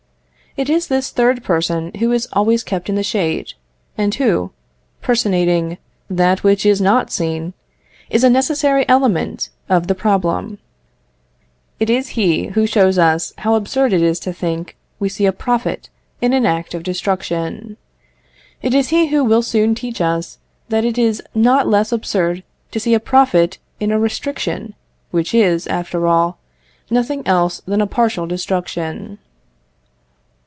It is this third person who is always kept in the shade, and who, personating that which is not seen, is a necessary element of the problem. It is he who shows us how absurd it is to think we see a profit in an act of destruction. It is he who will soon teach us that it is not less absurd to see a profit in a restriction, which is, after all, nothing else than a partial destruction.